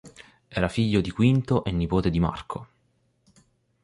Era figlio di Quinto e nipote di Marco.